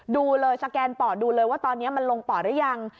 ดูเลยสแกนป่อดูเลยว่าตอนนี้มันลงปอดหรือยัง